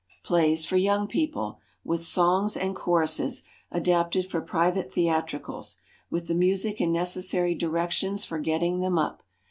=PLAYS FOR YOUNG PEOPLE=, with Songs and Choruses, adapted for Private Theatricals. With the Music and necessary directions for getting them up.